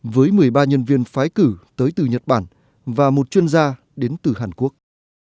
với một mươi ba nhân viên phái cử tới từ nhật bản và một chuyên gia đến từ hàn quốc